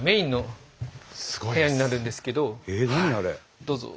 どうぞ。